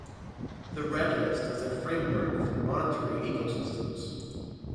The Red List is a framework for monitoring ecosystems.